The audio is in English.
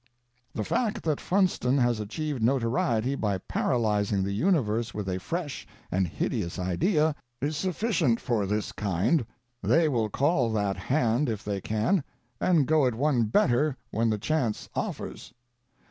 The fact that Funston has achieved notoriety by paralyzing the universe with a fresh and hideous idea, is sufficient for this kind — they will call that hand if they can, and go it one better when the chance offers.